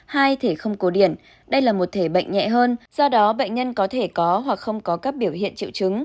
hai thể không cổ điển đây là một thể bệnh nhẹ hơn do đó bệnh nhân có thể có hoặc không có các biểu hiện triệu chứng